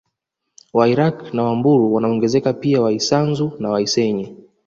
Wairaqw na Wambulu wanaongezeka pia Waisanzu na Waisenye